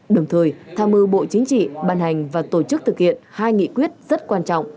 đồng thời tham mưu bộ chính trị ban hành và tổ chức thực hiện hai nghị quyết rất quan trọng